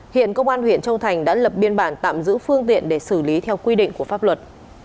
hiện công an huyện châu thành đã lập biên bản tạm giữ phương tiện để xử lý theo quy định của pháp luật